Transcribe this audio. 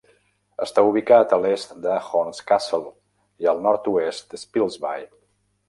Està ubicat a l'est de Horncastle i al nord-oest de Spilsby.